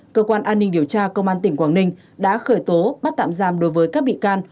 cơ quan an ninh điều tra công an tỉnh quảng ninh đã khởi tố bắt tạm giam đối với các bị can